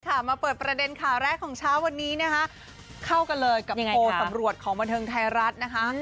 มาเปิดประเด็นข่าวแรกของเช้าวันนี้นะคะเข้ากันเลยกับโพลสำรวจของบันเทิงไทยรัฐนะคะ